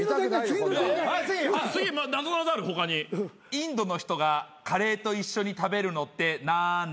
インドの人がカレーと一緒に食べるのってなんだ？